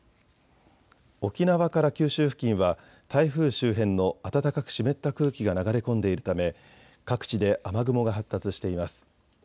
沖縄から九州付近は台風周辺の暖かく湿った空気が流れ込んでいるため各地で雨雲が発達しています。